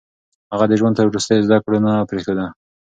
هغه د ژوند تر وروستيو زده کړه نه پرېښوده.